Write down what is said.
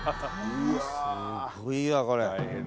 すごいわこれ。